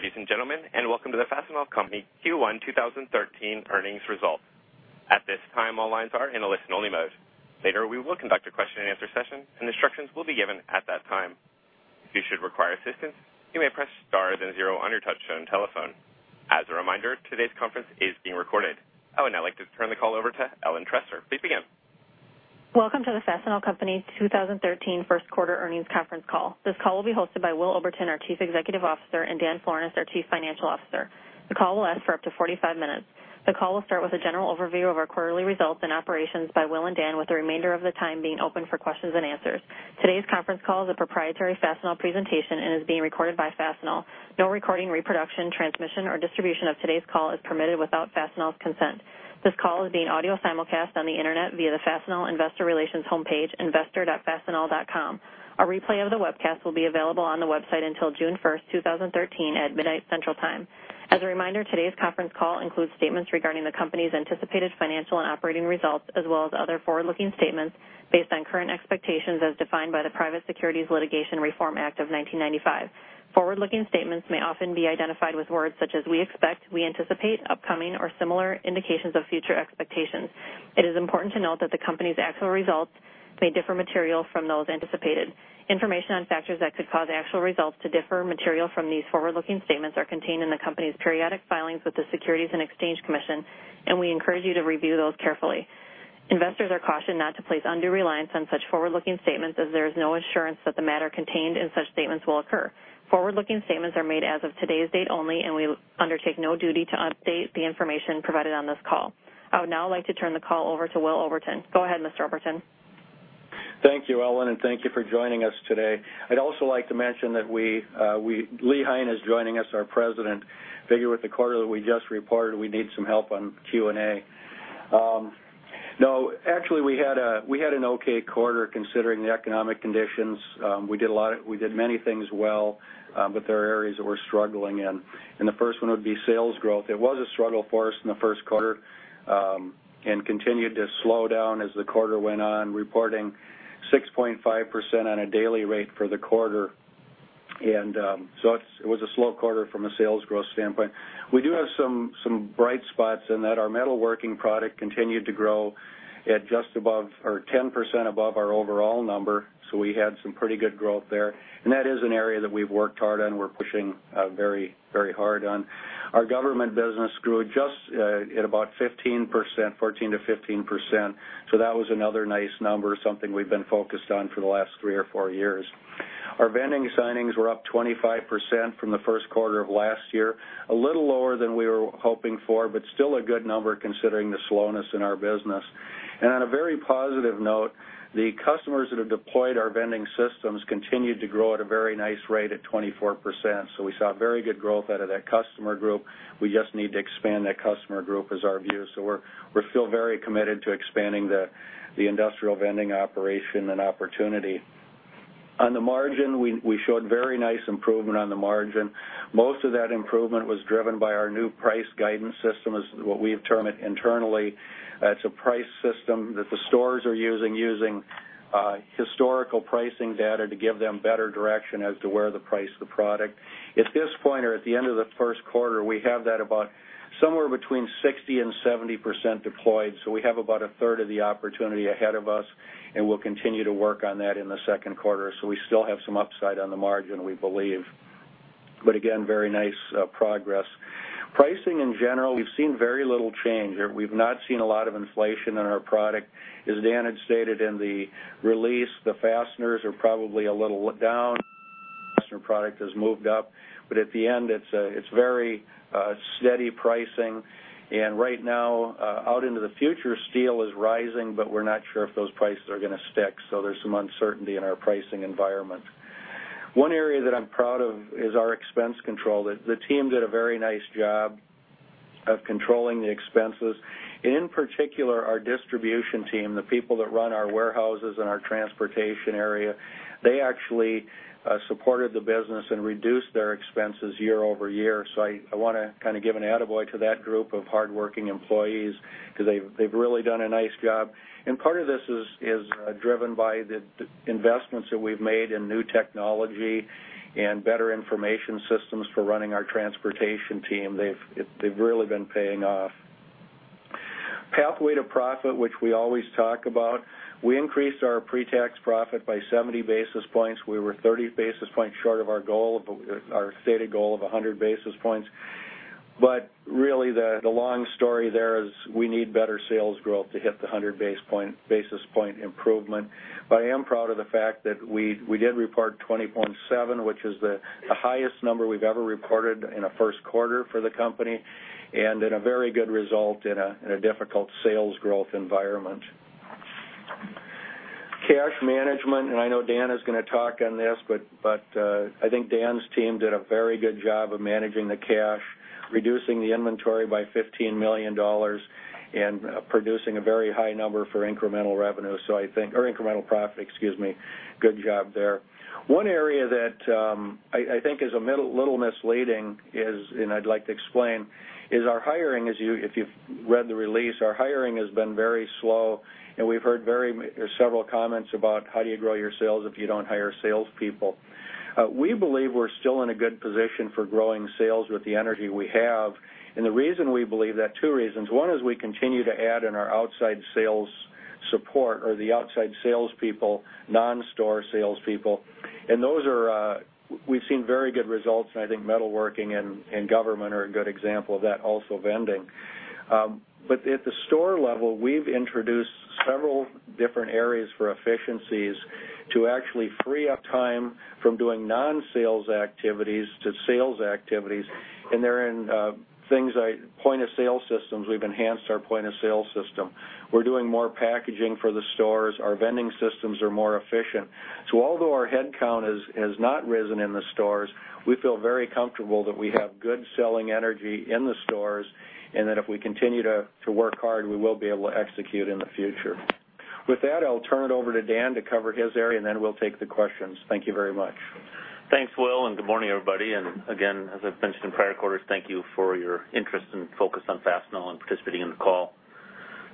Good day, ladies and gentlemen. Welcome to the Fastenal Company Q1 2013 earnings results. At this time, all lines are in a listen-only mode. Later, we will conduct a question-and-answer session. Instructions will be given at that time. If you should require assistance, you may press star then zero on your touchtone telephone. As a reminder, today's conference is being recorded. I would now like to turn the call over to Ellen Tresser. Please begin. Welcome to the Fastenal Company 2013 first quarter earnings conference call. This call will be hosted by Will Oberton, our Chief Executive Officer, and Dan Florness, our Chief Financial Officer. The call will last for up to 45 minutes. The call will start with a general overview of our quarterly results and operations by Will and Dan, with the remainder of the time being open for questions and answers. Today's conference call is a proprietary Fastenal presentation. It is being recorded by Fastenal. No recording, reproduction, transmission, or distribution of today's call is permitted without Fastenal's consent. This call is being audio simulcast on the internet via the Fastenal investor relations homepage, investor.fastenal.com. A replay of the webcast will be available on the website until June 1st, 2013, at midnight central time. As a reminder, today's conference call includes statements regarding the company's anticipated financial and operating results, as well as other forward-looking statements based on current expectations as defined by the Private Securities Litigation Reform Act of 1995. Forward-looking statements may often be identified with words such as "we expect," "we anticipate," "upcoming," or similar indications of future expectations. It is important to note that the company's actual results may differ materially from those anticipated. Information on factors that could cause actual results to differ materially from these forward-looking statements are contained in the company's periodic filings with the Securities and Exchange Commission. We encourage you to review those carefully. Investors are cautioned not to place undue reliance on such forward-looking statements as there is no assurance that the matter contained in such statements will occur. Forward-looking statements are made as of today's date only. We undertake no duty to update the information provided on this call. I would now like to turn the call over to Will Oberton. Go ahead, Mr. Oberton. Thank you, Ellen, and thank you for joining us today. I'd also like to mention that Leland Hein is joining us, our president. Figure with the quarter that we just reported, we need some help on Q&A. No, actually, we had an okay quarter considering the economic conditions. We did many things well, but there are areas that we're struggling in. The first one would be sales growth. It was a struggle for us in the first quarter, and continued to slow down as the quarter went on, reporting 6.5% on a daily rate for the quarter. It was a slow quarter from a sales growth standpoint. We do have some bright spots in that our metalworking product continued to grow at 10% above our overall number, so we had some pretty good growth there. That is an area that we've worked hard on. We're pushing very hard on. Our government business grew at about 14%-15%, so that was another nice number, something we've been focused on for the last three or four years. Our vending signings were up 25% from the first quarter of last year. A little lower than we were hoping for, but still a good number considering the slowness in our business. On a very positive note, the customers that have deployed our vending systems continued to grow at a very nice rate at 24%, so we saw very good growth out of that customer group. We just need to expand that customer group is our view. We're still very committed to expanding the industrial vending operation and opportunity. On the margin, we showed very nice improvement on the margin. Most of that improvement was driven by our new price guidance system, is what we've termed it internally. It's a price system that the stores are using historical pricing data to give them better direction as to where to price the product. At this point or at the end of the first quarter, we have that about somewhere between 60%-70% deployed. We have about a third of the opportunity ahead of us, and we'll continue to work on that in the second quarter. We still have some upside on the margin, we believe. Again, very nice progress. Pricing, in general, we've seen very little change. We've not seen a lot of inflation in our product. As Dan had stated in the release, the fasteners are probably a little down. Customer product has moved up. At the end, it's very steady pricing. Right now, out into the future, steel is rising, but we're not sure if those prices are going to stick. There's some uncertainty in our pricing environment. One area that I'm proud of is our expense control. The team did a very nice job of controlling the expenses. In particular, our distribution team, the people that run our warehouses and our transportation area, they actually supported the business and reduced their expenses year-over-year. I want to kind of give an attaboy to that group of hardworking employees because they've really done a nice job. Part of this is driven by the investments that we've made in new technology and better information systems for running our transportation team. They've really been paying off. Pathway to Profit, which we always talk about. We increased our pre-tax profit by 70 basis points. We were 30 basis points short of our stated goal of 100 basis points. Really, the long story there is we need better sales growth to hit the 100 basis point improvement. I am proud of the fact that we did report 20.7%, which is the highest number we've ever reported in a first quarter for the company, and in a very good result in a difficult sales growth environment. Cash management, I know Dan is going to talk on this, but I think Dan's team did a very good job of managing the cash, reducing the inventory by $15 million, and producing a very high number for incremental profit. Good job there. One area that I think is a little misleading, and I'd like to explain, is our hiring. If you've read the release, our hiring has been very slow, we've heard several comments about how do you grow your sales if you don't hire salespeople? We believe we're still in a good position for growing sales with the energy we have. The reason we believe that, two reasons. One is we continue to add in our outside sales support or the outside salespeople, non-store salespeople. Those are we've seen very good results, and I think metalworking and government are a good example of that, also vending. At the store level, we've introduced several different areas for efficiencies to actually free up time from doing non-sales activities to sales activities. They're in things like point-of-sale systems. We've enhanced our point-of-sale system. We're doing more packaging for the stores. Our vending systems are more efficient. Although our headcount has not risen in the stores, we feel very comfortable that we have good selling energy in the stores, and that if we continue to work hard, we will be able to execute in the future. With that, I'll turn it over to Dan to cover his area, then we'll take the questions. Thank you very much. Thanks, Will, good morning, everybody. Again, as I've mentioned in prior quarters, thank you for your interest and focus on Fastenal and participating in the call.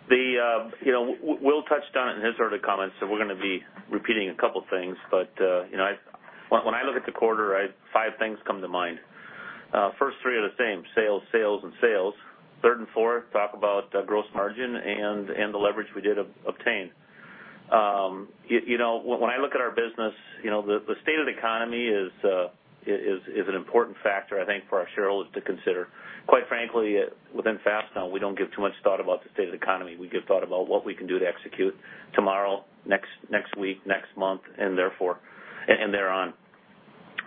Will touched on it in his early comments, we're going to be repeating a couple things. When I look at the quarter, five things come to mind. First three are the same, sales, and sales. Third and fourth, talk about gross margin and the leverage we did obtain. When I look at our business, the state of the economy is an important factor, I think, for our shareholders to consider. Quite frankly, within Fastenal, we don't give too much thought about the state of the economy. We give thought about what we can do to execute tomorrow, next week, next month, and thereon.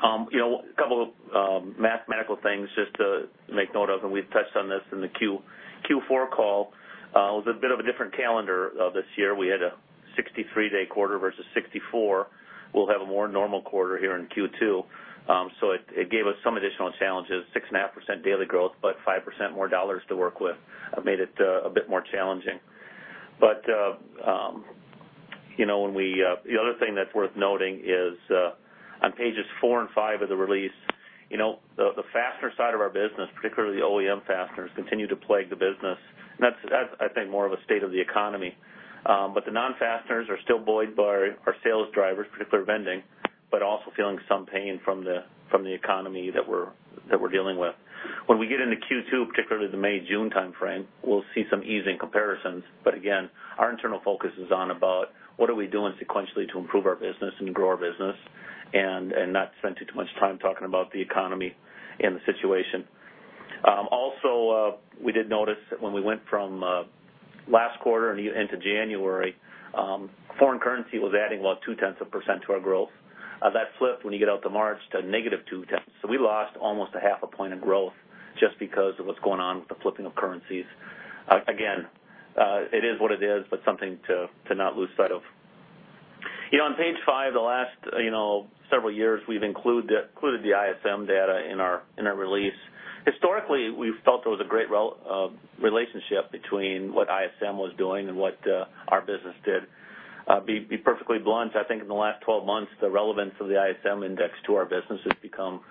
A couple of mathematical things just to make note of, we've touched on this in the Q4 call. It was a bit of a different calendar this year. We had a 63-day quarter versus 64. We'll have a more normal quarter here in Q2. It gave us some additional challenges, 6.5% daily growth, 5% more dollars to work with. Made it a bit more challenging. The other thing that's worth noting is, on pages four and five of the release, the fastener side of our business, particularly the OEM fasteners, continue to plague the business. That's, I think, more of a state of the economy. The non-fasteners are still buoyed by our sales drivers, particularly vending, also feeling some pain from the economy that we're dealing with. When we get into Q2, particularly the May, June timeframe, we'll see some easing comparisons. Again, our internal focus is on about what are we doing sequentially to improve our business and grow our business and not spend too much time talking about the economy and the situation. Also, we did notice that when we went from last quarter into January, foreign currency was adding about 0.2% to our growth. That flipped when you get out to March to -0.2%. We lost almost a 0.5 point of growth just because of what's going on with the flipping of currencies. Again, it is what it is, something to not lose sight of. On page five, the last several years, we've included the ISM data in our release. Historically, we've felt there was a great relationship between what ISM was doing and what our business did. Be perfectly blunt, I think in the last 12 months, the relevance of the ISM index to our business has become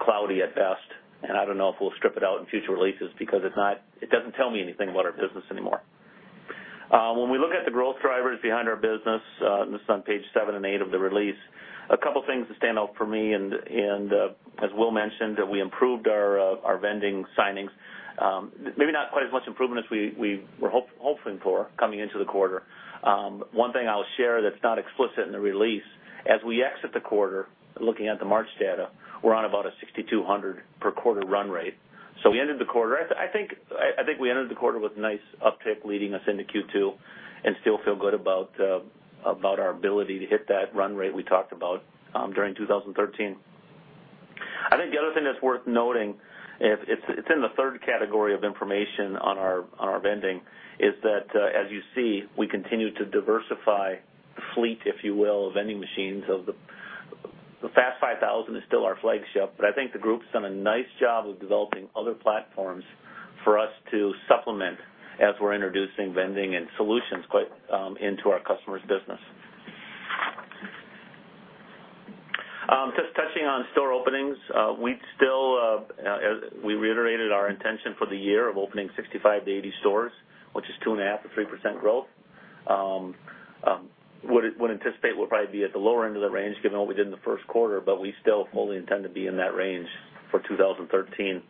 cloudy at best, I don't know if we'll strip it out in future releases because it doesn't tell me anything about our business anymore. When we look at the growth drivers behind our business, this is on page seven and eight of the release, a couple things that stand out for me as Will mentioned, that we improved our vending signings. Maybe not quite as much improvement as we were hoping for coming into the quarter. One thing I'll share that's not explicit in the release, as we exit the quarter, looking at the March data, we're on about a 6,200 per quarter run rate. I think we entered the quarter with a nice uptick leading us into Q2 and still feel good about our ability to hit that run rate we talked about during 2013. I think the other thing that's worth noting, it's in the third category of information on our vending, is that, as you see, we continue to diversify the fleet, if you will, of vending machines. The FAST 5000 is still our flagship, I think the group's done a nice job of developing other platforms for us to supplement as we're introducing vending and solutions into our customers' business. Just touching on store openings. We reiterated our intention for the year of opening 65 to 80 stores, which is 2.5%-3% growth. Would anticipate we'll probably be at the lower end of the range given what we did in the first quarter, but we still fully intend to be in that range for 2013.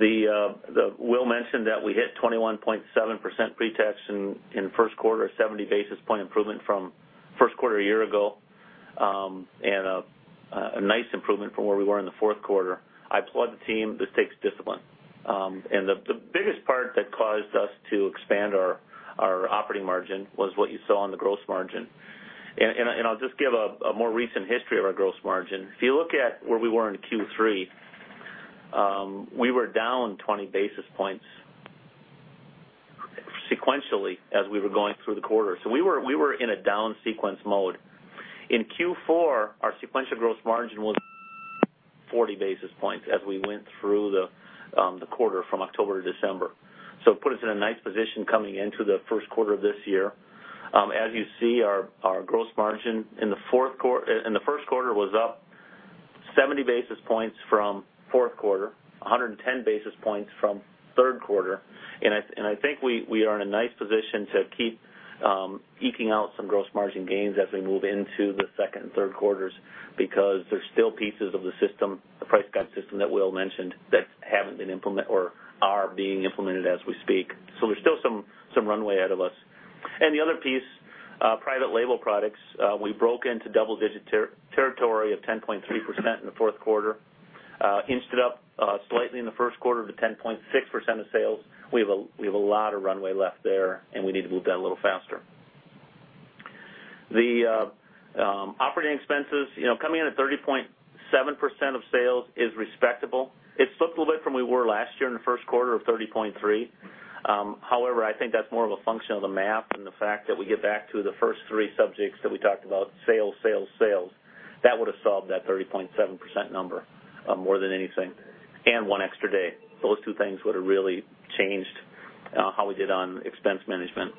Will mentioned that we hit 20.7% pre-tax in the first quarter, a 70 basis point improvement from first quarter a year ago, and a nice improvement from where we were in the fourth quarter. I applaud the team. This takes discipline. The biggest part that caused us to expand our operating margin was what you saw on the gross margin. I'll just give a more recent history of our gross margin. If you look at where we were in Q3, we were down 20 basis points sequentially as we were going through the quarter. So we were in a down sequence mode. In Q4, our sequential gross margin was 40 basis points as we went through the quarter from October to December. So it put us in a nice position coming into the first quarter of this year. As you see, our gross margin in the first quarter was up 70 basis points from fourth quarter, 110 basis points from third quarter. I think we are in a nice position to keep eking out some gross margin gains as we move into the second and third quarters, because there's still pieces of the system, the price guide system that Will mentioned, that haven't been implement-- or are being implemented as we speak. So there's still some runway ahead of us. The other piece, private label products, we broke into double-digit territory of 10.3% in the fourth quarter. Inched it up slightly in the first quarter to 10.6% of sales. We have a lot of runway left there, and we need to move that a little faster. The operating expenses, coming in at 30.7% of sales is respectable. It's up a little bit from where we were last year in the first quarter of 30.3%. However, I think that's more of a function of the math and the fact that we get back to the first three subjects that we talked about, sales, sales. That would've solved that 30.7% number, more than anything, and one extra day. Those two things would've really changed how we did on expense management.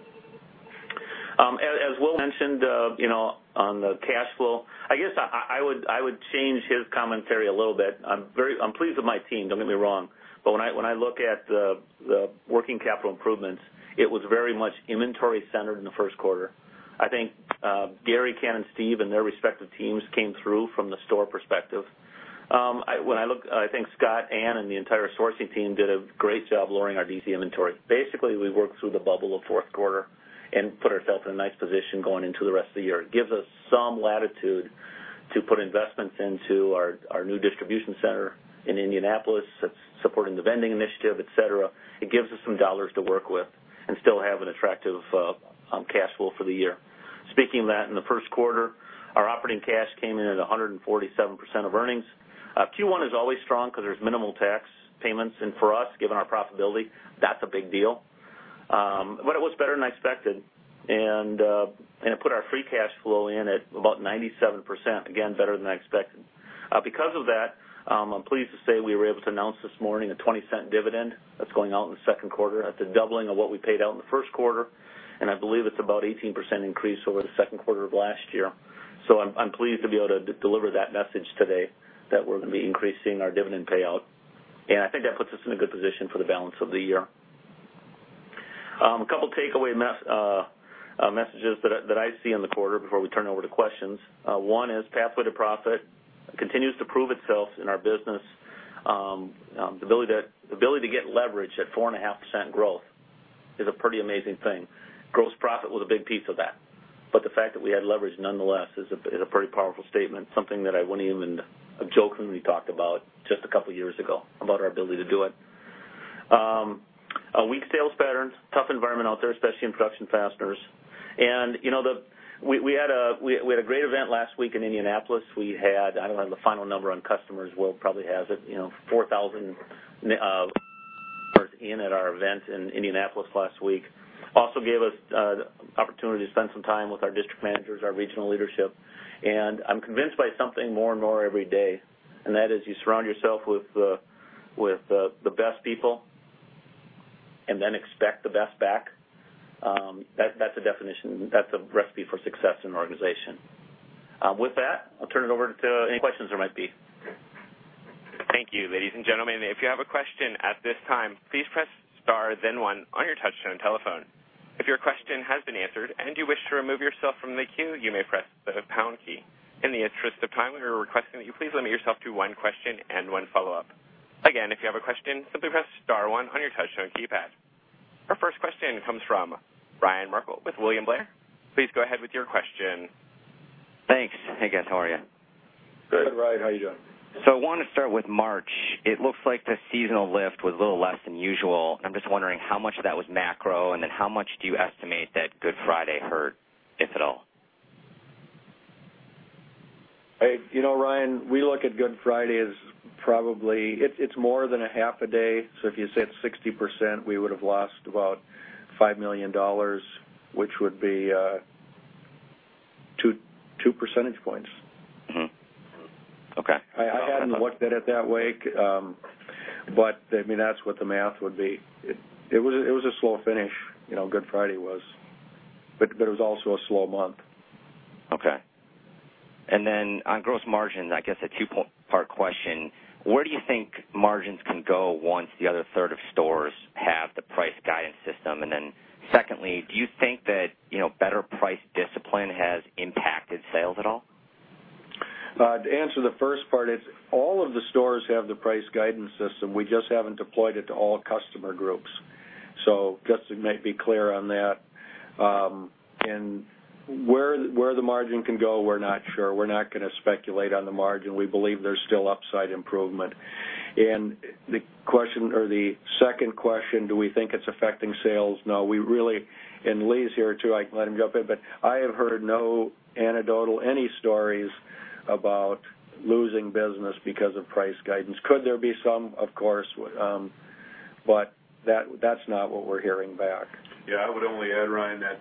As Will mentioned, on the cash flow, I guess I would change his commentary a little bit. I'm pleased with my team, don't get me wrong. But when I look at the working capital improvements, it was very much inventory centered in the first quarter. I think Gary, Ken, and Steve and their respective teams came through from the store perspective. When I look, I think Scott, Ann, and the entire sourcing team did a great job lowering our DC inventory. Basically, we worked through the bubble of fourth quarter and put ourselves in a nice position going into the rest of the year. It gives us some latitude to put investments into our new distribution center in Indianapolis that's supporting the vending initiative, et cetera. It gives us some dollars to work with and still have an attractive cash flow for the year. Speaking of that, in the first quarter, our operating cash came in at 147% of earnings. Q1 is always strong because there's minimal tax payments, and for us, given our profitability, that's a big deal. It was better than I expected, and it put our free cash flow in at about 97%. Again, better than I expected. Because of that, I am pleased to say we were able to announce this morning a $0.20 dividend that is going out in the second quarter. That is a doubling of what we paid out in the first quarter, and I believe it is about 18% increase over the second quarter of last year. I am pleased to be able to deliver that message today that we are going to be increasing our dividend payout. I think that puts us in a good position for the balance of the year. A couple takeaway messages that I see in the quarter before we turn it over to questions. One is Pathway to Profit continues to prove itself in our business. The ability to get leverage at 4.5% growth is a pretty amazing thing. Gross profit was a big piece of that. The fact that we had leverage nonetheless is a pretty powerful statement, something that I would not even have jokingly talked about just a couple years ago, about our ability to do it. Weak sales patterns, tough environment out there, especially in production fasteners. We had a great event last week in Indianapolis. We had, I do not have the final number on customers, Will probably has it, 4,000 in at our event in Indianapolis last week. Also gave us the opportunity to spend some time with our district managers, our regional leadership. I am convinced by something more and more every day, and that is you surround yourself with the best people and then expect the best back. That is a recipe for success in an organization. With that, I will turn it over to any questions there might be. Thank you. Ladies and gentlemen, if you have a question at this time, please press star then one on your touch-tone telephone. If your question has been answered and you wish to remove yourself from the queue, you may press the pound key. In the interest of time, we are requesting that you please limit yourself to one question and one follow-up. Again, if you have a question, simply press star one on your touch-tone keypad. Our first question comes from Ryan Merkel with William Blair. Please go ahead with your question. Thanks. Hey, guys, how are you? Good, Ryan. How you doing? I want to start with March. It looks like the seasonal lift was a little less than usual. I'm just wondering how much of that was macro, and then how much do you estimate that Good Friday hurt, if at all? Ryan, we look at Good Friday as probably, it's more than a half a day. If you said 60%, we would've lost about $5 million, which would be two percentage points. Mm-hmm. Okay. I hadn't looked at it that way. That's what the math would be. It was a slow finish, Good Friday was. It was also a slow month. Okay. On gross margin, I guess a two-part question. Where do you think margins can go once the other third of stores have the price guidance system? Secondly, do you think that better price discipline has impacted sales at all? To answer the first part, it's all of the stores have the price guidance system. We just haven't deployed it to all customer groups. Just to make me clear on that. Where the margin can go, we're not sure. We're not going to speculate on the margin. We believe there's still upside improvement. The question, or the second question, do we think it's affecting sales? No. We really, and Lee's here too, I can let him jump in, but I have heard no anecdotal, any stories about losing business because of price guidance. Could there be some? Of course. That's not what we're hearing back. Yeah. I would only add, Ryan, that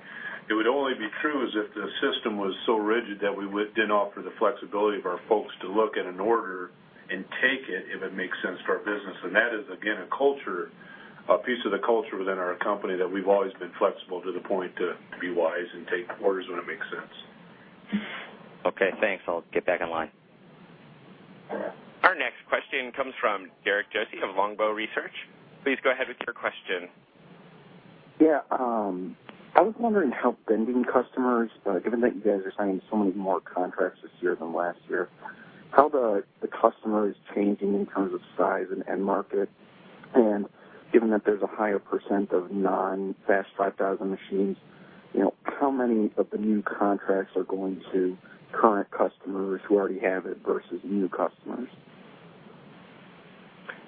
it would only be true is if the system was so rigid that we didn't offer the flexibility of our folks to look at an order That is, again, a piece of the culture within our company that we've always been flexible to the point to be wise and take orders when it makes sense. Okay, thanks. I'll get back in line. Our next question comes from Derek Glynn of Longbow Research. Please go ahead with your question. Yeah. I was wondering how vending customers, given that you guys are signing so many more contracts this year than last year, how the customer is changing in terms of size and end market. Given that there's a higher % of non-FAST 5000 machines, how many of the new contracts are going to current customers who already have it versus new customers?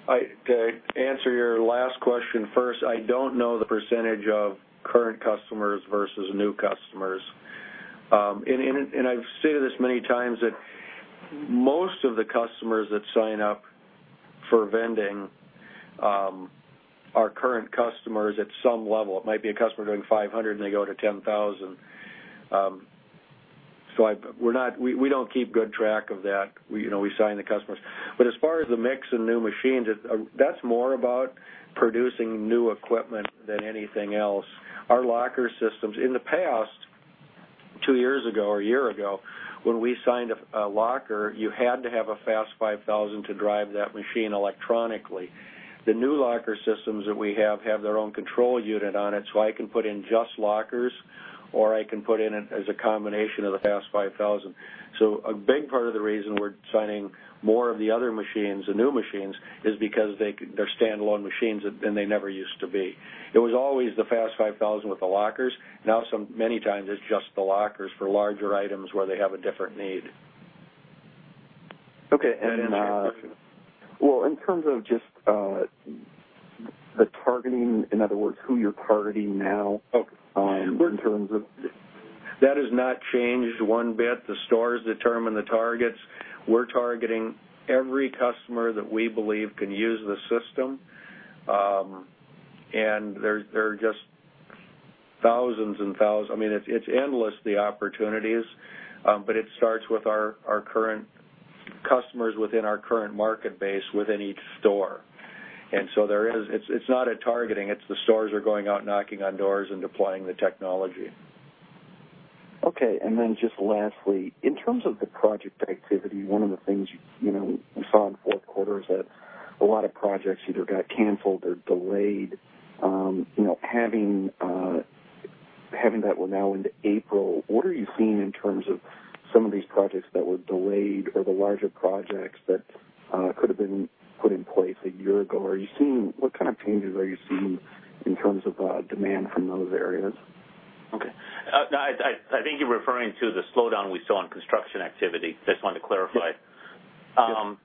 To answer your last question first, I don't know the % of current customers versus new customers. I've stated this many times, that most of the customers that sign up for vending are current customers at some level. It might be a customer doing 500, and they go to 10,000. We don't keep good track of that. We sign the customers. As far as the mix of new machines, that's more about producing new equipment than anything else. Our locker systems, in the past, two years ago or a year ago, when we signed a locker, you had to have a FAST 5000 to drive that machine electronically. The new locker systems that we have their own control unit on it, so I can put in just lockers, or I can put in as a combination of the FAST 5000. A big part of the reason we're signing more of the other machines, the new machines, is because they're standalone machines, and they never used to be. It was always the FAST 5000 with the lockers. Now, many times it's just the lockers for larger items where they have a different need. Okay. Does that answer your question? Well, in terms of just the targeting, in other words, who you're targeting now. Okay in terms of That has not changed one bit. The stores determine the targets. We're targeting every customer that we believe can use the system. There are just thousands and thousands. It's endless, the opportunities, but it starts with our current customers within our current market base within each store. It's not a targeting, it's the stores are going out, knocking on doors, and deploying the technology. Okay, just lastly, in terms of the project activity, one of the things we saw in the fourth quarter is that a lot of projects either got canceled or delayed. Having that, we're now into April, what are you seeing in terms of some of these projects that were delayed or the larger projects that could've been put in place a year ago? What kind of changes are you seeing in terms of demand from those areas? Okay. I think you're referring to the slowdown we saw in construction activity. Just wanted to clarify. Yes.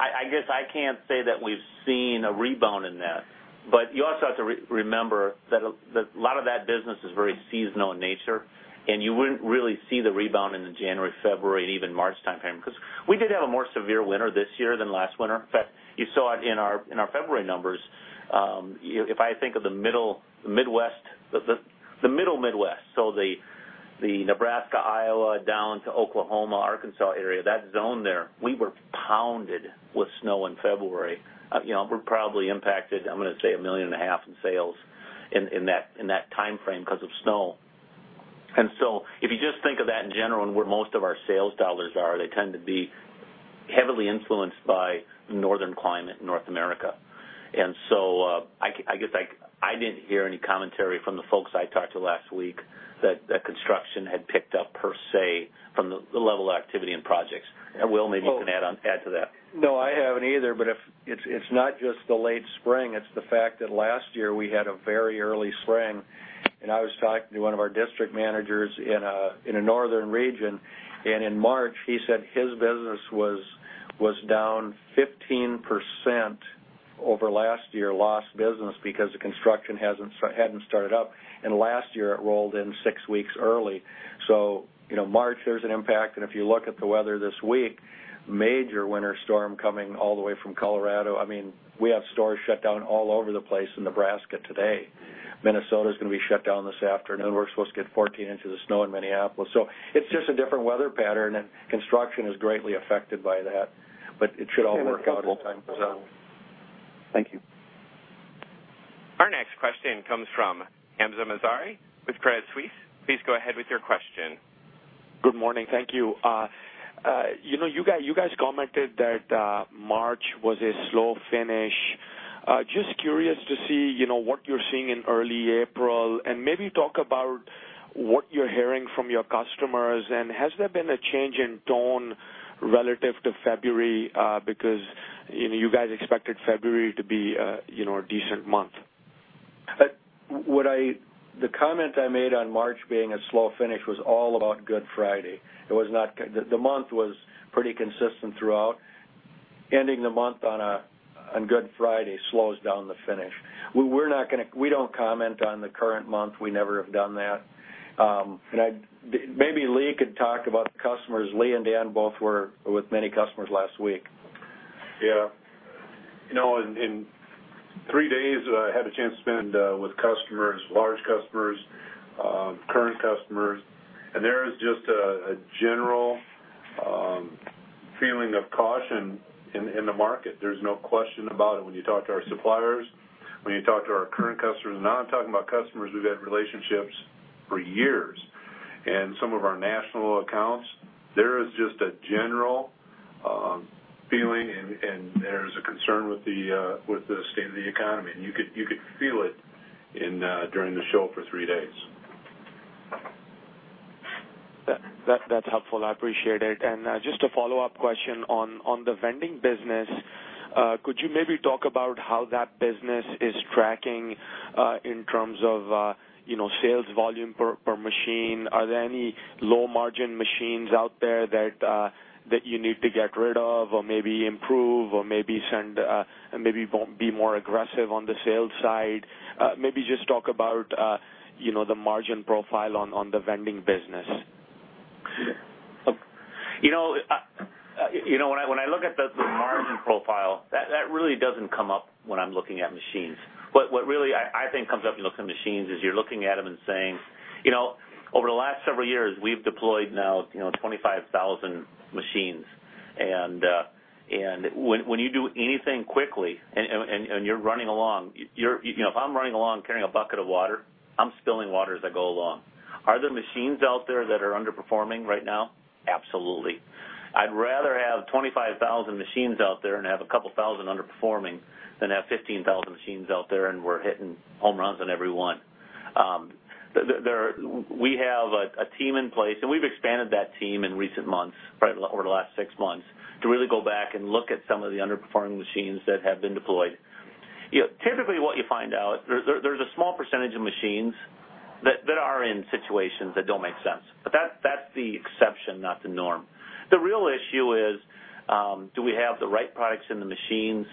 I guess I can't say that we've seen a rebound in that, but you also have to remember that a lot of that business is very seasonal in nature, and you wouldn't really see the rebound in the January, February, and even March timeframe because we did have a more severe winter this year than last winter. In fact, you saw it in our February numbers. If I think of the middle Midwest, so the Nebraska, Iowa, down to Oklahoma, Arkansas area, that zone there, we were pounded with snow in February. We're probably impacted, I'm going to say, $1.5 million in sales in that timeframe because of snow. If you just think of that in general and where most of our sales dollars are, they tend to be heavily influenced by northern climate, North America. I guess I didn't hear any commentary from the folks I talked to last week that construction had picked up per se from the level of activity in projects. Will, maybe you can add to that. No, I haven't either, but it's not just the late spring, it's the fact that last year we had a very early spring, and I was talking to one of our district managers in a northern region, and in March, he said his business was down 15% over last year, lost business because the construction hadn't started up, and last year it rolled in six weeks early. March, there's an impact, and if you look at the weather this week, major winter storm coming all the way from Colorado. We have stores shut down all over the place in Nebraska today. Minnesota's going to be shut down this afternoon. We're supposed to get 14 inches of snow in Minneapolis. It's just a different weather pattern, and construction is greatly affected by that, but it should all work out over time. Thank you. Our next question comes from Hamzah Mazari with Credit Suisse. Please go ahead with your question. Good morning. Thank you. You guys commented that March was a slow finish. Just curious to see what you're seeing in early April, and maybe talk about what you're hearing from your customers, and has there been a change in tone relative to February? Because you guys expected February to be a decent month. The comment I made on March being a slow finish was all about Good Friday. The month was pretty consistent throughout. Ending the month on Good Friday slows down the finish. We don't comment on the current month. We never have done that. Maybe Lee could talk about the customers. Lee and Dan both were with many customers last week. Yeah. In three days, I had a chance to spend with customers, large customers, current customers, and there is just a general feeling of caution in the market. There's no question about it. When you talk to our suppliers, when you talk to our current customers. Now I'm talking about customers we've had relationships for years, and some of our national accounts, there is just a general feeling, and there's a concern with the state of the economy, and you could feel it during the show for three days. That's helpful. I appreciate it. Just a follow-up question on the vending business, could you maybe talk about how that business is tracking in terms of sales volume per machine? Are there any low-margin machines out there that you need to get rid of or maybe improve or maybe be more aggressive on the sales side? Maybe just talk about the margin profile on the vending business. When I look at the margin profile, that really doesn't come up when I'm looking at machines. What really, I think comes up when you look at machines is you're looking at them and saying, over the last several years, we've deployed now 25,000 machines. When you do anything quickly and you're running along, if I'm running along carrying a bucket of water, I'm spilling water as I go along. Are there machines out there that are underperforming right now? Absolutely. I'd rather have 25,000 machines out there and have a couple thousand underperforming than have 15,000 machines out there and we're hitting home runs on every one. We have a team in place. We've expanded that team in recent months, over the last six months, to really go back and look at some of the underperforming machines that have been deployed. Typically, what you find out, there's a small percentage of machines that are in situations that don't make sense. That's the exception, not the norm. The real issue is, do we have the right products in the machines?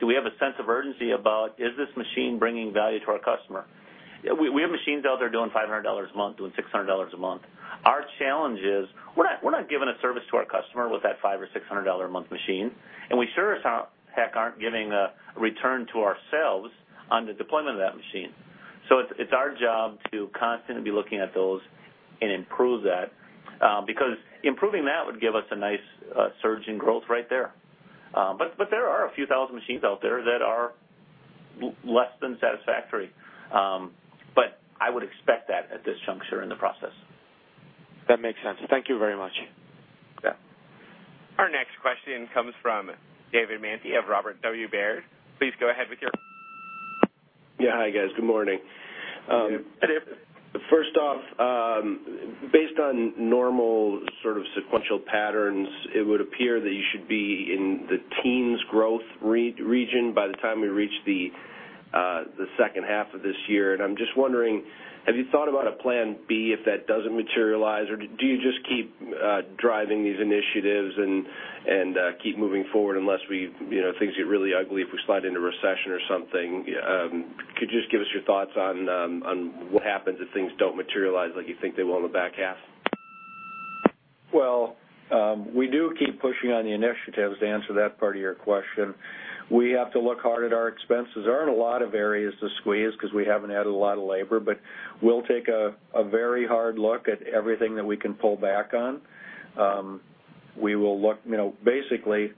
Do we have a sense of urgency about, is this machine bringing value to our customer? We have machines out there doing $500 a month, doing $600 a month. Our challenge is, we're not giving a service to our customer with that $500 or $600 a month machine, and we sure as heck aren't giving a return to ourselves on the deployment of that machine. It's our job to constantly be looking at those and improve that, because improving that would give us a nice surge in growth right there. There are a few thousand machines out there that are less than satisfactory. I would expect that at this juncture in the process. That makes sense. Thank you very much. Yeah. Our next question comes from David Manthey of Robert W. Baird. Please go ahead with your question. Yeah. Hi, guys. Good morning. Good. First off, based on normal sort of sequential patterns, it would appear that you should be in the teens growth region by the time we reach the second half of this year. I'm just wondering, have you thought about a plan B if that doesn't materialize, or do you just keep driving these initiatives and keep moving forward unless things get really ugly if we slide into recession or something? Could you just give us your thoughts on what happens if things don't materialize like you think they will in the back half? Well, we do keep pushing on the initiatives, to answer that part of your question. We have to look hard at our expenses. There aren't a lot of areas to squeeze because we haven't added a lot of labor, but we'll take a very hard look at everything that we can pull back on. We will basically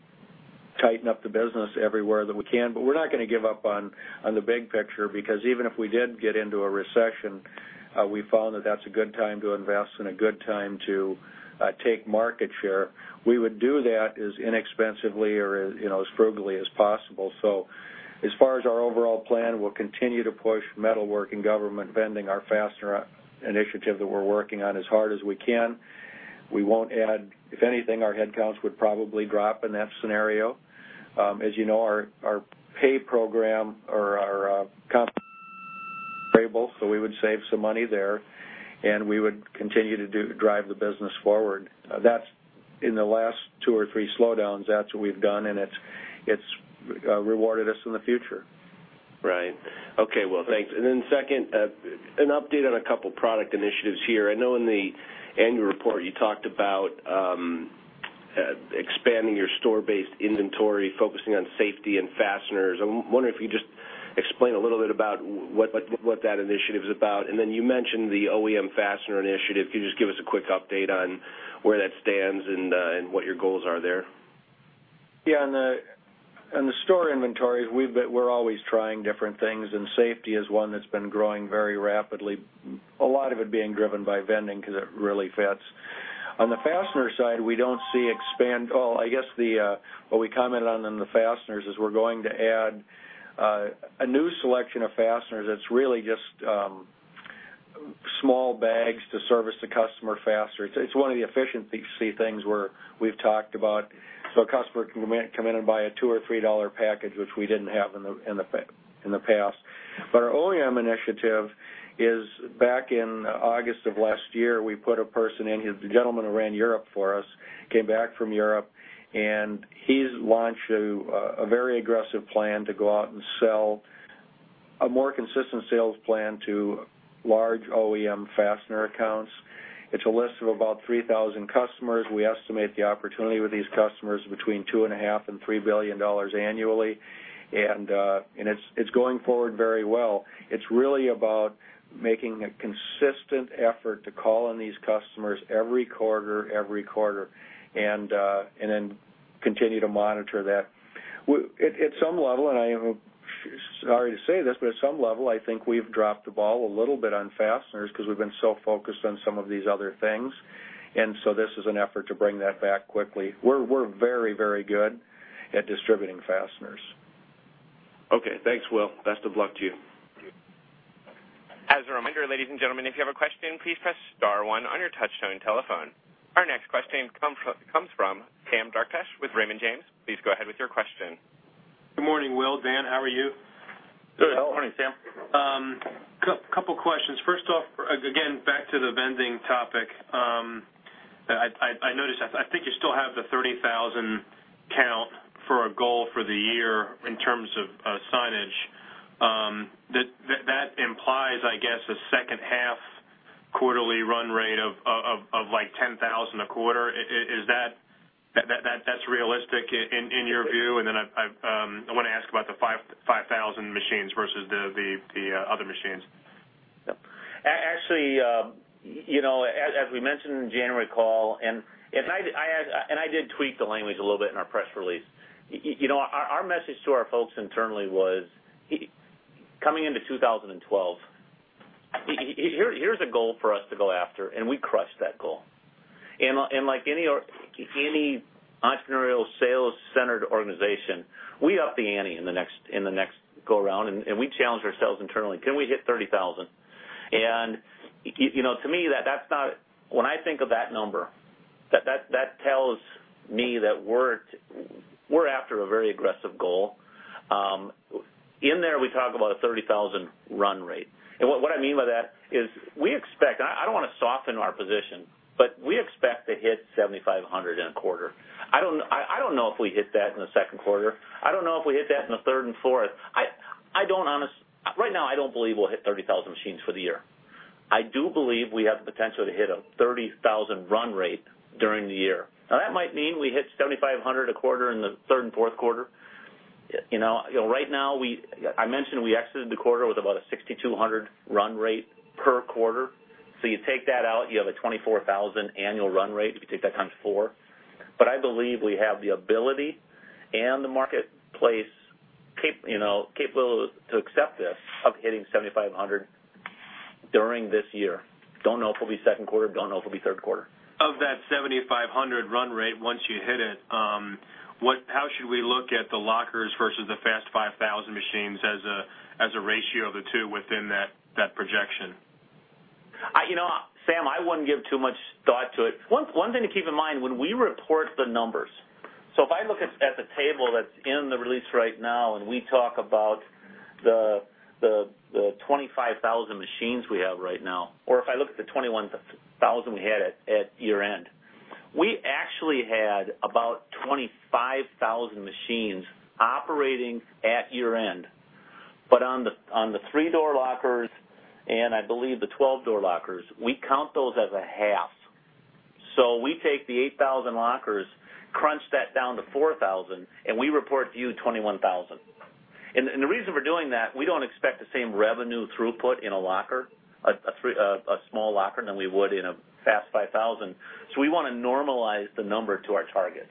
tighten up the business everywhere that we can. We're not going to give up on the big picture, because even if we did get into a recession, we found that that's a good time to invest and a good time to take market share. We would do that as inexpensively or as frugally as possible. As far as our overall plan, we'll continue to push metalwork and government vending, our fastener initiative that we're working on as hard as we can. We won't add. If anything, our headcounts would probably drop in that scenario. As you know, our pay program or our comp so we would save some money there, and we would continue to drive the business forward. In the last two or three slowdowns, that's what we've done, and it's rewarded us in the future. Right. Okay. Well, thanks. Then second, an update on a couple product initiatives here. I know in the annual report you talked about expanding your store-based inventory, focusing on safety and fasteners. I wonder if you just explain a little bit about what that initiative is about. And then you mentioned the OEM fastener initiative. Could you just give us a quick update on where that stands and what your goals are there? Yeah. On the store inventories, we're always trying different things, and safety is one that's been growing very rapidly, a lot of it being driven by vending because it really fits. On the fastener side, we don't see expand I guess what we commented on in the fasteners is we're going to add a new selection of fasteners that's really just small bags to service the customer faster. It's one of the efficiency things where we've talked about. A customer can come in and buy a $2 or $3 package, which we didn't have in the past. Our OEM initiative is back in August of last year, we put a person in. He's the gentleman who ran Europe for us, came back from Europe, and he's launched a very aggressive plan to go out and sell A more consistent sales plan to large OEM fastener accounts. It's a list of about 3,000 customers. We estimate the opportunity with these customers between $2.5 billion and $3 billion annually. It's going forward very well. It's really about making a consistent effort to call on these customers every quarter, then continue to monitor that. At some level, I am sorry to say this, at some level, I think we've dropped the ball a little bit on fasteners because we've been so focused on some of these other things. This is an effort to bring that back quickly. We're very good at distributing fasteners. Okay, thanks, Will. Best of luck to you. As a reminder, ladies and gentlemen, if you have a question, please press star one on your touch-tone telephone. Our next question comes from Sam Darkatsh with Raymond James. Please go ahead with your question. Good morning, Will, Dan, how are you? Good. Good morning, Sam. Couple questions. First off, again, back to the vending topic. I noticed, I think you still have the 30,000 count for a goal for the year in terms of signage. That implies, I guess, a second half quarterly run rate of 10,000 a quarter. Is that realistic in your view? I want to ask about the 5,000 machines versus the other machines. Actually, as we mentioned in the January call, I did tweak the language a little bit in our press release. Our message to our folks internally was, coming into 2012, here's a goal for us to go after, we crushed that goal. Like any entrepreneurial sales-centered organization, we up the ante in the next go around and we challenge ourselves internally. Can we hit 30,000? To me, when I think of that number, that tells me that we're after a very aggressive goal. In there, we talk about a 30,000 run rate. What I mean by that is, I don't want to soften our position, we expect to hit 7,500 in a quarter. I don't know if we hit that in the second quarter. I don't know if we hit that in the third and fourth. Right now, I don't believe we'll hit 30,000 machines for the year. I do believe we have the potential to hit a 30,000 run rate during the year. That might mean we hit 7,500 a quarter in the third and fourth quarter. Right now, I mentioned we exited the quarter with about a 6,200 run rate per quarter. You take that out, you have a 24,000 annual run rate if you take that times four. I believe we have the ability and the marketplace capable to accept this of hitting 7,500 during this year. Don't know if it'll be second quarter, don't know if it'll be third quarter. Of that 7,500 run rate, once you hit it, how should we look at the lockers versus the FAST 5000 machines as a ratio of the two within that projection? Sam, I wouldn't give too much thought to it. One thing to keep in mind, when we report the numbers, if I look at the table that's in the release right now, and we talk about the 25,000 machines we have right now, or if I look at the 21,000 we had at year-end. We actually had about 25,000 machines operating at year-end. On the three-door lockers and I believe the 12-door lockers, we count those as a half. We take the 8,000 lockers, crunch that down to 4,000, and we report to you 21,000. The reason we're doing that, we don't expect the same revenue throughput in a small locker than we would in a FAST 5000. We want to normalize the number to our targets.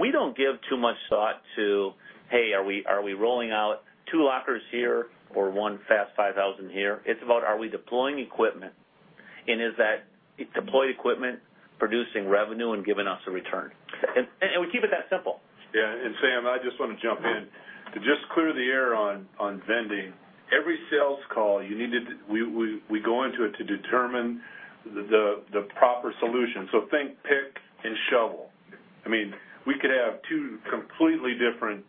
We don't give too much thought to, "Hey, are we rolling out two lockers here or one FAST 5000 here?" It's about, are we deploying equipment, and is that deployed equipment producing revenue and giving us a return? We keep it that simple. Yeah. Sam, I just want to jump in. To just clear the air on vending. Every sales call, we go into it to determine the proper solution. Think pick and shovel. We could have two completely different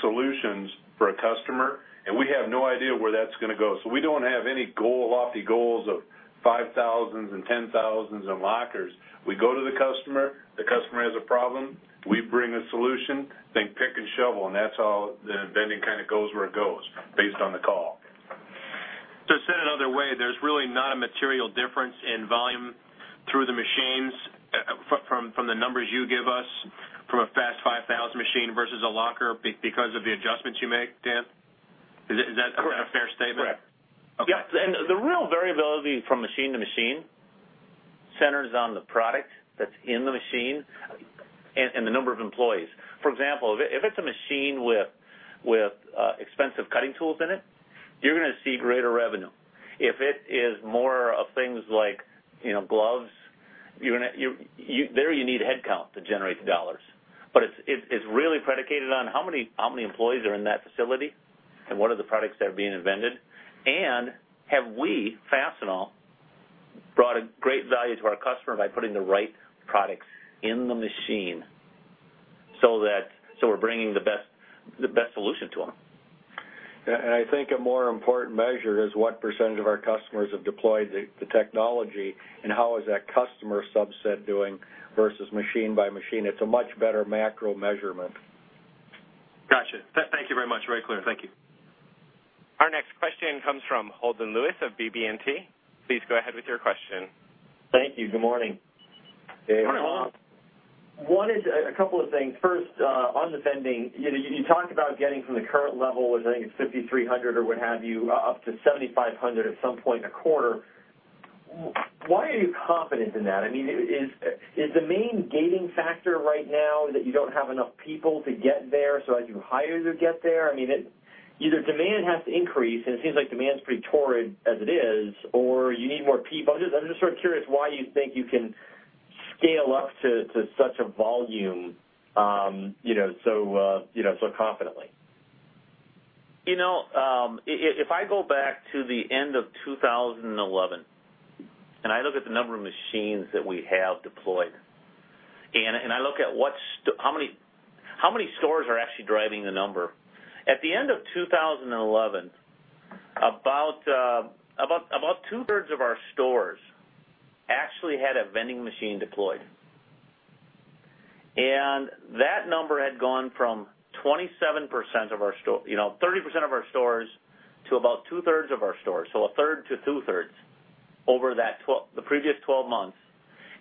solutions for a customer, and we have no idea where that's going to go. We don't have any lofty goals of 5,000s and 10,000s and lockers. We go to the customer, the customer has a problem, we bring a solution, think pick and shovel, that's all. The vending kind of goes where it goes based on the call. To say it another way, there's really not a material difference in volume through the machines from the numbers you give us from a FAST 5000 machine versus a locker because of the adjustments you make, Dan? Is that? Correct A fair statement? Correct. Okay. Yeah. The real variability from machine to machine centers on the product that's in the machine and the number of employees. For example, if it's a machine with expensive cutting tools in it, you're going to see greater revenue. If it is more of things like gloves, there you need headcount to generate the dollars. It's really predicated on how many employees are in that facility and what are the products that are being vended, and have we, Fastenal, brought a great value to our customer by putting the right products in the machine so we're bringing the best solution to them. I think a more important measure is what % of our customers have deployed the technology and how is that customer subset doing versus machine by machine. It's a much better macro measurement. Got you. Thank you very much. Very clear. Thank you. Holden Lewis of BB&T, please go ahead with your question. Thank you. Good morning. Good morning, Holden. One is a couple of things. First, on the vending, you talked about getting from the current level, which I think is 5,300 or what have you, up to 7,500 at some point in the quarter. Why are you confident in that? Is the main gating factor right now that you don't have enough people to get there, so as you hire to get there? Either demand has to increase, and it seems like demand's pretty torrid as it is, or you need more people. I'm just sort of curious why you think you can scale up to such a volume so confidently. If I go back to the end of 2011, I look at the number of machines that we have deployed, I look at how many stores are actually driving the number. At the end of 2011, about two-thirds of our stores actually had a vending machine deployed. That number had gone from 30% of our stores to about two-thirds of our stores, so a third to two-thirds over the previous 12 months.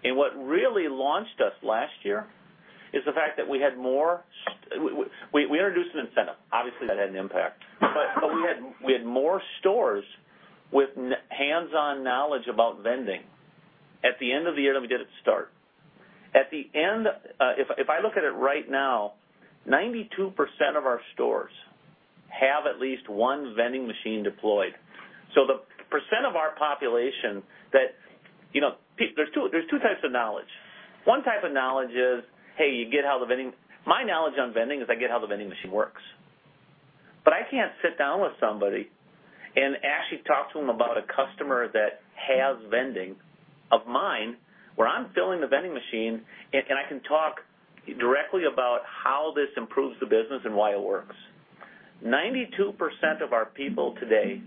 What really launched us last year is the fact that We introduced an incentive. Obviously, that had an impact. We had more stores with hands-on knowledge about vending at the end of the year than we did at start. If I look at it right now, 92% of our stores have at least one vending machine deployed. The percent of our population There's two types of knowledge. One type of knowledge is, hey, you get how My knowledge on vending is I get how the vending machine works. I can't sit down with somebody and actually talk to them about a customer that has vending of mine, where I'm filling the vending machine, and I can talk directly about how this improves the business and why it works. 92% of our people today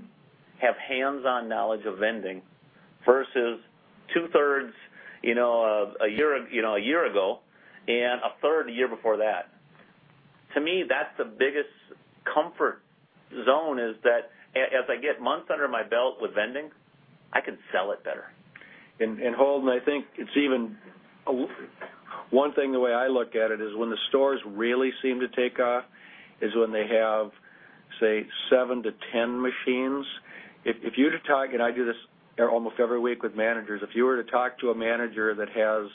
have hands-on knowledge of vending versus two-thirds a year ago and a third the year before that. To me, that's the biggest comfort zone, is that as I get months under my belt with vending, I can sell it better. Holden, I think One thing, the way I look at it is when the stores really seem to take off is when they have, say, seven to 10 machines. I do this almost every week with managers. If you were to talk to a manager that has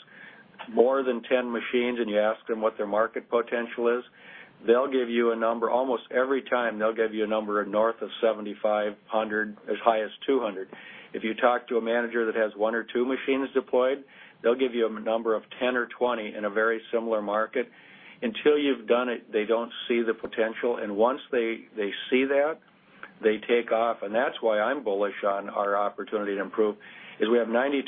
more than 10 machines and you ask them what their market potential is, almost every time, they'll give you a number north of 7,500, as high as 200. If you talk to a manager that has one or two machines deployed, they'll give you a number of 10 or 20 in a very similar market. Until you've done it, they don't see the potential. Once they see that, they take off. That's why I'm bullish on our opportunity to improve, is we have 92%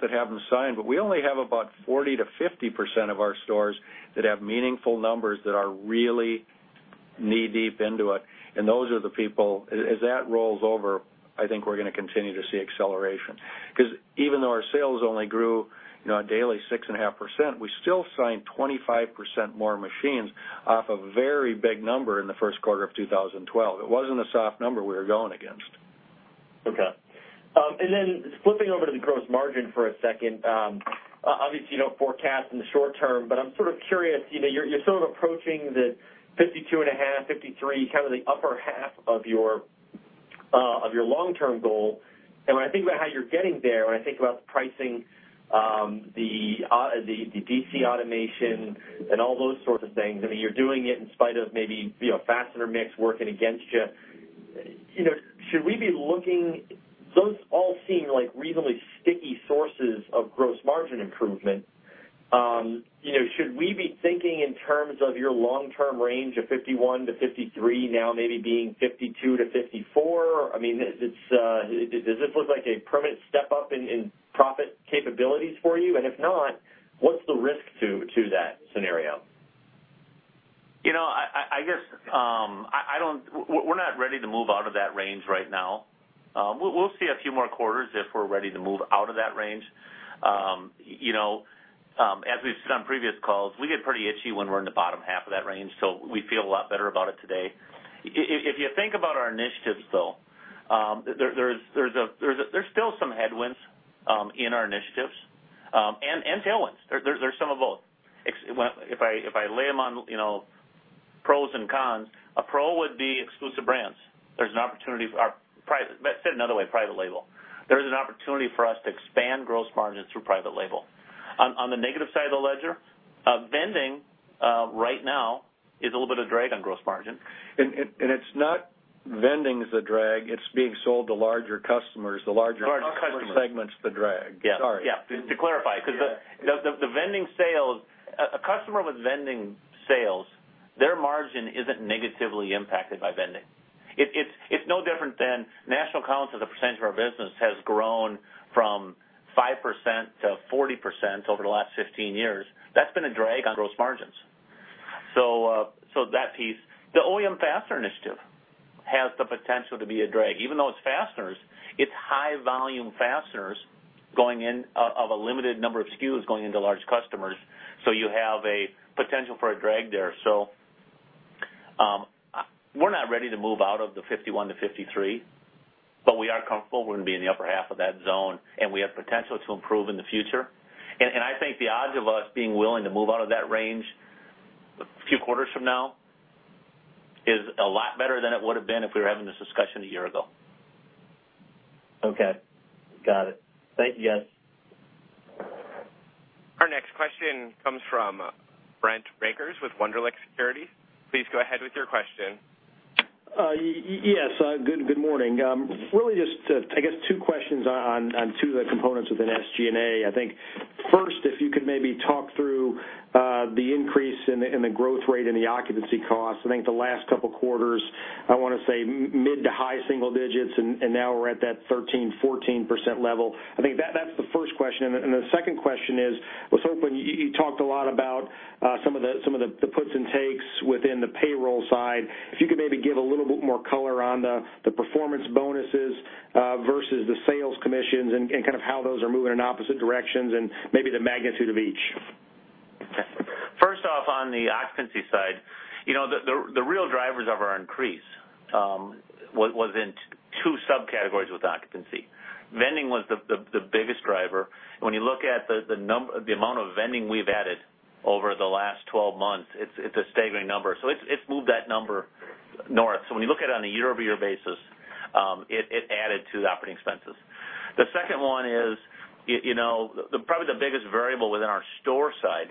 that have them signed, but we only have about 40%-50% of our stores that have meaningful numbers that are really knee-deep into it, and those are the people. As that rolls over, I think we're going to continue to see acceleration. Because even though our sales only grew a daily 6.5%, we still signed 25% more machines off a very big number in the first quarter of 2012. It wasn't a soft number we were going against. Okay. Then flipping over to the gross margin for a second. Obviously, you don't forecast in the short term, but I'm sort of curious. You're sort of approaching the 52.5%, 53%, kind of the upper half of your long-term goal. When I think about how you're getting there, when I think about pricing, the DC automation, and all those sorts of things, you're doing it in spite of maybe fastener mix working against you. Those all seem like reasonably sticky sources of gross margin improvement. Should we be thinking in terms of your long-term range of 51%-53% now maybe being 52%-54%? Does this look like a permanent step up in profit capabilities for you? If not, what's the risk to that scenario? We're not ready to move out of that range right now. We'll see a few more quarters if we're ready to move out of that range. As we've said on previous calls, we get pretty itchy when we're in the bottom half of that range, so we feel a lot better about it today. If you think about our initiatives, though, there's still some headwinds in our initiatives and tailwinds. There's some of both. If I lay them on pros and cons, a pro would be exclusive brands. Let's say it another way, private label. There is an opportunity for us to expand gross margins through private label. On the negative side of the ledger, vending right now is a little bit of drag on gross margin. It's not vending's the drag, it's being sold to larger customers. Large customers the larger customer segment's the drag. Sorry. Yeah. To clarify. Yeah. Because the vending sales, a customer with vending sales, their margin isn't negatively impacted by vending. It's no different than national accounts as a percentage of our business has grown from 5% to 40% over the last 15 years. That's been a drag on gross margins. That piece. The OEM fastener initiative has the potential to be a drag. Even though it's fasteners, it's high volume fasteners of a limited number of SKUs going into large customers, so you have a potential for a drag there. We're not ready to move out of the 51-53, but we are comfortable we're going to be in the upper half of that zone, and we have potential to improve in the future. I think the odds of us being willing to move out of that range a few quarters from now is a lot better than it would have been if we were having this discussion a year ago. Okay. Got it. Thank you, guys. Our next question comes from Brent Rakers with Wunderlich Securities. Please go ahead with your question. Yes. Good morning. Really just, I guess, two questions on two of the components within SG&A, I think. First, if you could maybe talk through the increase in the growth rate in the occupancy cost. I think the last couple of quarters, I want to say mid to high single digits, and now we're at that 13%, 14% level. I think that's the first question. The second question is, you talked a lot about some of the puts and takes within the payroll side. If you could maybe give a little bit more color on the performance bonuses versus the sales commissions and kind of how those are moving in opposite directions and maybe the magnitude of each. First off, on the occupancy side, the real drivers of our increase was in two subcategories with occupancy. Vending was the biggest driver. When you look at the amount of vending we've added over the last 12 months, it's a staggering number. It's moved that number north. When you look at it on a year-over-year basis, it added to the operating expenses. The second one is probably the biggest variable within our store side.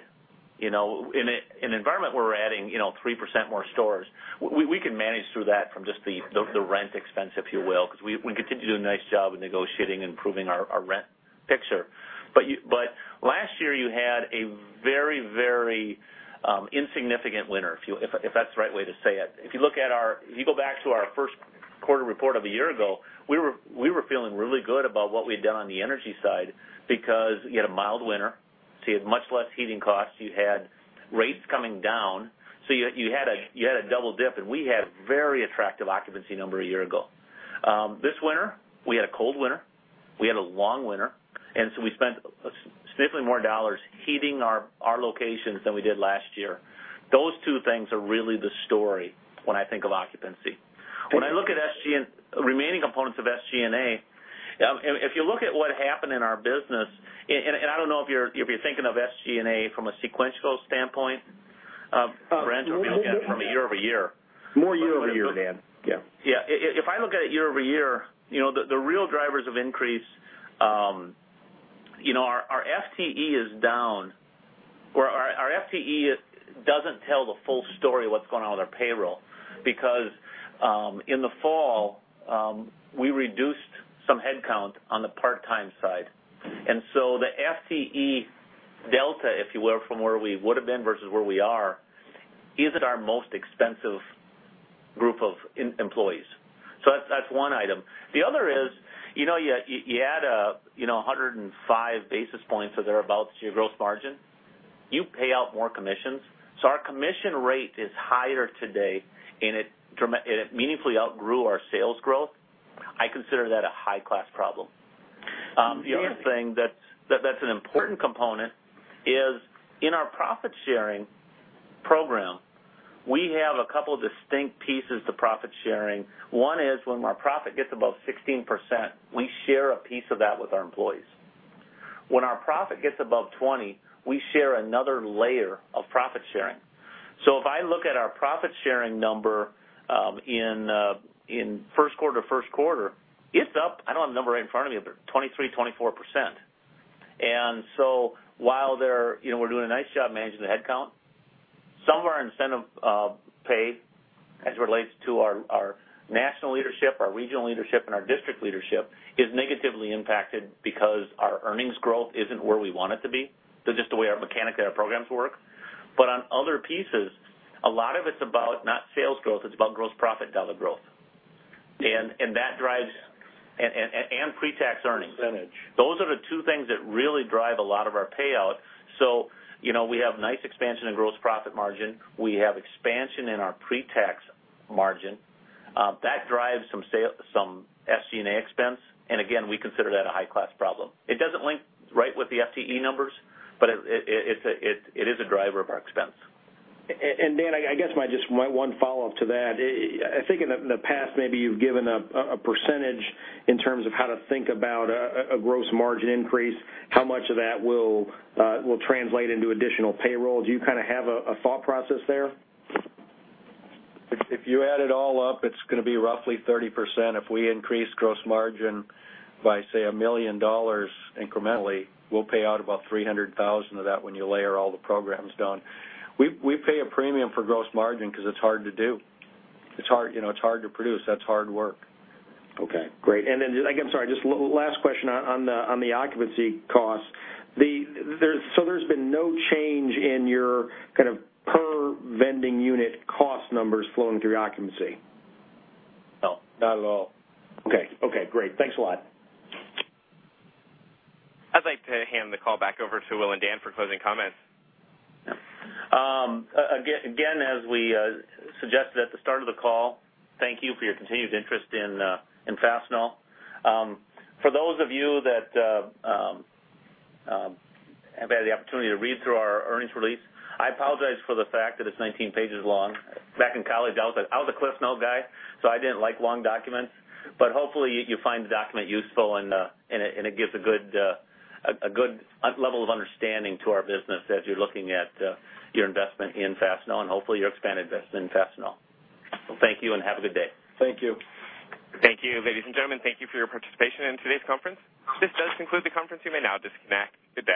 In an environment where we're adding 3% more stores, we can manage through that from just the rent expense, if you will, because we continue to do a nice job of negotiating and improving our rent picture. Last year, you had a very insignificant winter, if that's the right way to say it. If you go back to our first quarter report of a year ago, we were feeling really good about what we'd done on the energy side because you had a mild winter, you had much less heating costs. You had rates coming down. You had a double dip, and we had very attractive occupancy number a year ago. This winter, we had a cold winter. We had a long winter, we spent significantly more dollars heating our locations than we did last year. Those two things are really the story when I think of occupancy. When I look at remaining components of SG&A, if you look at what happened in our business, and I don't know if you're thinking of SG&A from a sequential standpoint, Brent, or if you're looking at it from a year-over-year. More year-over-year, Dan. Yeah. Yeah. If I look at it year-over-year, the real drivers of increase, our FTE is down, or our FTE doesn't tell the full story what's going on with our payroll because, in the fall, we reduced some headcount on the part-time side. The FTE delta, if you will, from where we would've been versus where we are, isn't our most expensive group of employees. That's one item. The other is, you add 105 basis points or thereabouts to your gross margin. You pay out more commissions. Our commission rate is higher today, and it meaningfully outgrew our sales growth. I consider that a high-class problem. The other thing that's an important component is in our profit-sharing program, we have a couple of distinct pieces to profit sharing. One is when our profit gets above 16%, we share a piece of that with our employees. When our profit gets above 20%, we share another layer of profit sharing. If I look at our profit-sharing number in first quarter, it's up, I don't have the number right in front of me, but 23%-24%. While we're doing a nice job managing the headcount, some of our incentive pay as it relates to our national leadership, our regional leadership, and our district leadership is negatively impacted because our earnings growth isn't where we want it to be. Just the way our mechanic of our programs work. On other pieces, a lot of it's about not sales growth, it's about gross profit dollar growth and pre-tax earnings. Percentage. Those are the two things that really drive a lot of our payout. We have nice expansion in gross profit margin. We have expansion in our pre-tax margin. That drives some SG&A expense. Again, we consider that a high-class problem. It doesn't link right with the FTE numbers, but it is a driver of our expense. Dan, I guess just my one follow-up to that. I think in the past, maybe you've given a percentage in terms of how to think about a gross margin increase, how much of that will translate into additional payroll. Do you kind of have a thought process there? If you add it all up, it's going to be roughly 30%. If we increase gross margin by, say, $1 million incrementally, we'll pay out about $300,000 of that when you layer all the programs down. We pay a premium for gross margin because it's hard to do. It's hard to produce. That's hard work. Okay. Great. Then, again, sorry, just last question on the occupancy cost. There's been no change in your kind of per vending unit cost numbers flowing through your occupancy? No, not at all. Okay. Great. Thanks a lot. I'd like to hand the call back over to Will and Dan for closing comments. As we suggested at the start of the call, thank you for your continued interest in Fastenal. For those of you that have had the opportunity to read through our earnings release, I apologize for the fact that it's 19 pages long. Back in college, I was a CliffsNotes guy, so I didn't like long documents. Hopefully, you find the document useful, and it gives a good level of understanding to our business as you're looking at your investment in Fastenal and hopefully your expanded investment in Fastenal. Thank you and have a good day. Thank you. Thank you. Ladies and gentlemen, thank you for your participation in today's conference. This does conclude the conference. You may now disconnect. Good day.